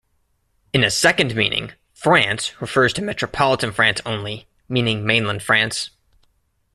In a second meaning, "France" refers to metropolitan France only, meaning mainland France.